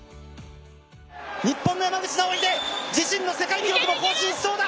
日本の山口尚秀自身の世界記録を更新しそうだ！